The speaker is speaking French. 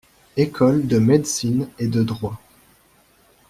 Écoles de Médecine et de Droit.